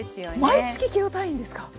毎月キロ単位ですか？